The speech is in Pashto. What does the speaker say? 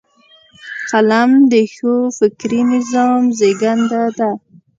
قلم د ښو فکري نظام زیږنده ده